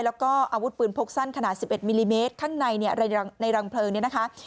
แล้วก็อาวุธปืนพกสั้นขนาด๑๑มิลลิเมตรข้างในเนี่ยในรังเพลิงเนี่ยนะคะ